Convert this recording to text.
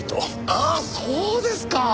ああそうですか。